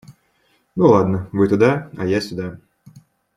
Ну ладно, вы туда, а я сюда.